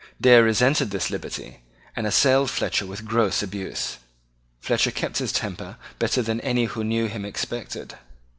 Dare resented this liberty, and assailed Fletcher with gross abuse. Fletcher kept his temper better than any one who knew him expected.